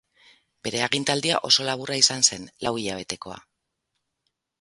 Bere agintaldia oso laburra izan zen, lau hilabetekoa.